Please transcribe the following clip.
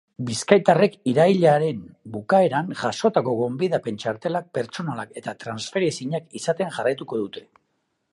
Bizkaitarrek irailaren bukaeran jasotako gonbidapen txartelak pertsonalak eta transferiezinak izaten jarraituko dute.